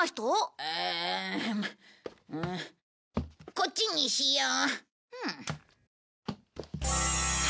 こっちにしよう。